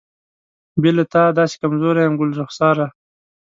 بې له تا داسې کمزوری یم ګلرخساره.